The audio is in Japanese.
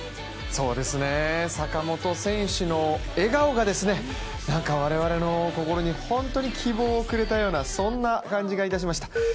坂本選手の笑顔が、我々の心に本当に希望をくれたような感じがいたしました。